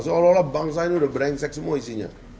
seolah olah bangsa ini udah brengsek semua isinya